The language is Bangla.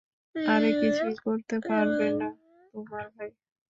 আরে কিছুই করতে পারবে না তোমার ভাই।